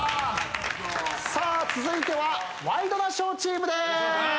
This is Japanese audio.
さあ続いてはワイドナショーチームです。